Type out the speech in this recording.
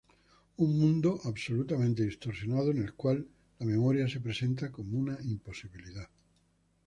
Un mundo absolutamente distorsionado en el cual la memoria se presenta como una imposibilidad.